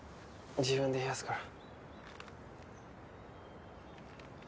自分で冷やすから。